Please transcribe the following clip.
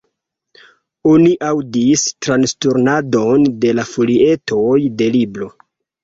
Oni aŭdis transturnadon de la folietoj de libro.